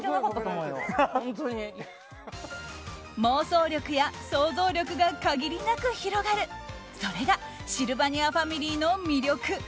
妄想力や想像力が限りなく広がるそれがシルバニアファミリーの魅力。